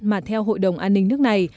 mà theo hội đồng an ninh nước này